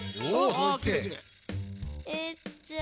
えっじゃあ。